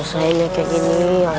rasulullah saw kayak gini ya allah